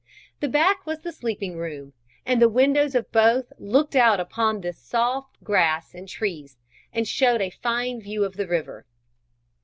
The back was the sleeping room, and the windows of both looked out upon the soft grass and trees, and showed a fine view of the river.